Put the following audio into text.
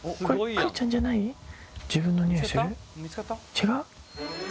違う？